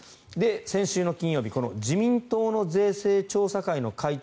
先週の金曜日自民党の税制調査会の会長